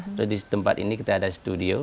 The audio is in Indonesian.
atau di tempat ini kita ada studio